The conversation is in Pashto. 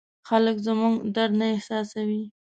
خلک زموږ درد نه احساسوي.